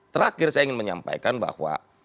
terakhir saya ingin menyampaikan bahwa